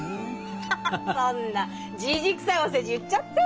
ハハハそんなじじくさいお世辞言っちゃって！